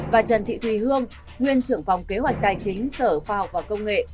và trần thị thùy hương nguyên trưởng phòng kế hoạch tài chính sở kế hoạch và công nghệ